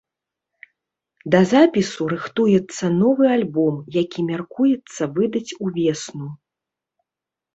Да запісу рыхтуецца новы альбом, які мяркуецца выдаць увесну.